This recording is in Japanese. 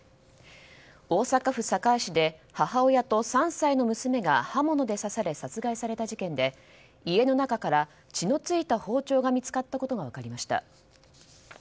大阪府堺市で母親と３歳の娘が刃物で刺され殺害された事件で家の中から血の付いた包丁が見つかったことが分かりました。